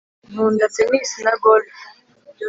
nkunda tennis na golf